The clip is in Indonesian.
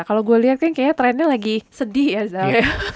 kalo gue liat kayaknya trendnya lagi sedih ya zal